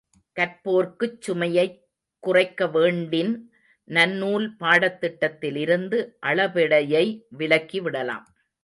கற்போர்க்குச் சுமையைக் குறைக்க வேண்டின், நன்னூல் பாடத்திட்டத்திலிருந்து அளபெடையை விலக்கிவிடலாம்.